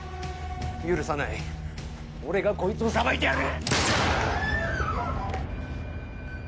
許さない俺がこいつを裁いてやる！